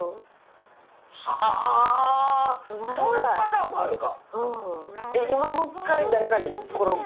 はぁそういうパターンもあるか。